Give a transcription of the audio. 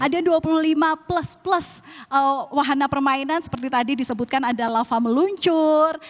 ada dua puluh lima plus plus wahana permainan seperti tadi disebutkan ada lava meluncur